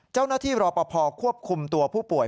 เจ้าหน้าที่รอปภควบคุมตัวผู้ป่วย